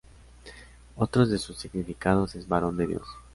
Otro de sus significados es ""Varón de Dios"".